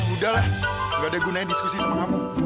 udah lah gak ada gunanya diskusi sama kamu